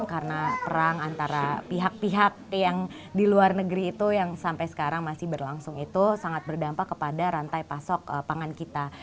karena perang antara pihak pihak yang di luar negeri itu yang sampai sekarang masih berlangsung itu sangat berdampak kepada rantai pasok pangan kita